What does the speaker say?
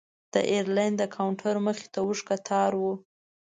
د ایرلاین د کاونټر مخې ته اوږد کتار و.